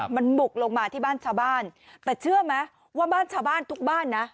มันบุกลงมาที่บ้านชาวบ้านแต่เชื่อไหมว่าบ้านชาวบ้านทุกบ้านนะ